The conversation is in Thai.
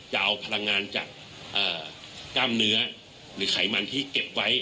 จะเอาพลังงานจากกล้ามเนื้อหรือไขมันที่เก็บไว้